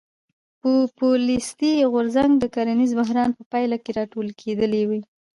پوپولیستي غورځنګ د کرنیز بحران په پایله کې راټوکېدلی و.